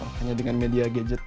hanya dengan media gadget